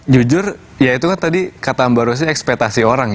jujur ya itu kan tadi kata ambaru sih ekspektasi orang